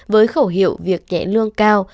với khẩu hiệu việc nhẹ lương cao